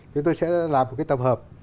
chúng tôi sẽ làm một cái tập hợp